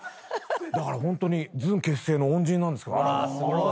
だからホントにずん結成の恩人なんです。